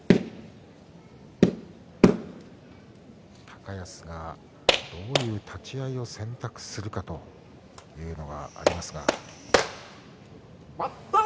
高安がどういう立ち合いを選択するかというのがありますが。